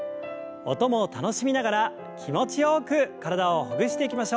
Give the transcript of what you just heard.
音も楽しみながら気持ちよく体をほぐしていきましょう。